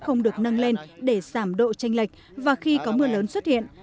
không được nâng lên để giảm độ tranh lệch và khi có mưa lớn xuất hiện